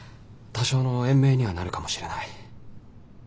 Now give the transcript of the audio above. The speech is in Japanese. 多少の延命にはなるかもしれない。